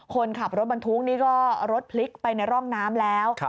คนขับรถบรรทุกนี่ก็รถพลิกไปในร่องน้ำแล้ว